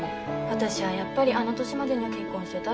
私はやっぱりあの年までには結婚してたいかな。